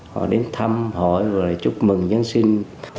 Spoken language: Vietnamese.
họ đến thăm họ và chúc mừng giáng sinh